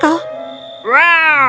kupikir kau tidak akan bertanya